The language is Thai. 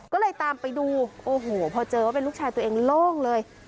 ก็เลยตามไปดูโอ้โหพอเจอว่าเป็นลูกชายตัวเองโล่งเลย